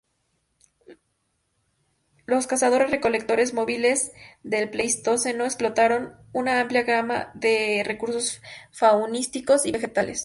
Los cazadoresrecolectores móviles del Pleistoceno explotaron una amplia gama de recursos faunísticos y vegetales.